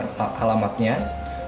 kemudian halaman selanjutnya mereka masukkan